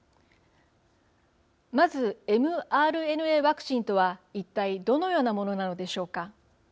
まずｍＲＮＡワクチンとは一体どのようなものなのでしょうか。